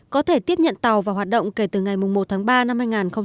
có thể tiếp nhận tàu vào hoạt động kể từ ngày một tháng ba năm hai nghìn một mươi sáu